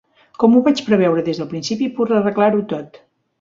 Com ho vaig preveure des del principi, puc arreglar-ho tot.